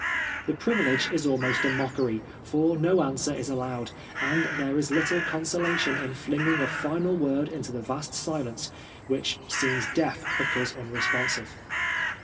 The privilege is almost a mockery, for no answer is allowed, and there is little consolation in flinging a final word into the vast silence, which seems dejrf because unresponsive.